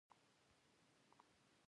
زما په میو خیرنې وريژې خوښیږي.